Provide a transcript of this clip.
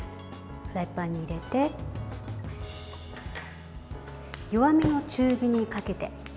フライパンに入れて弱めの中火にかけて。